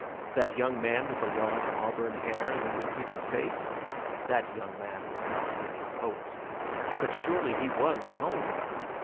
That young man with the long, auburn hair and the impudent face—that young man was not really a poet; but surely he was a poem.